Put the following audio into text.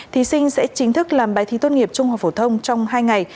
thí sinh sẽ chính thức làm bài thi tốt nghiệp trung học phổ thông trong hai ngày